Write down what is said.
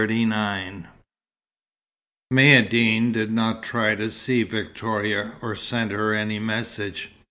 XXXIX Maïeddine did not try to see Victoria, or send her any message.